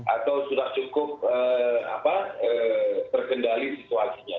atau sudah cukup terkendali situasinya